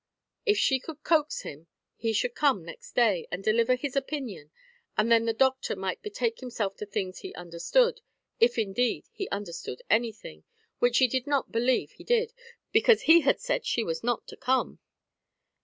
If she could coax him, he should come next day, and deliver his opinion, and then the doctor might betake himself to things he understood, if indeed he understood anything, which she did not believe he did, because he had said she was not to come.